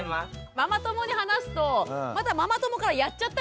ママ友に話すとまたママ友から「やっちゃった！」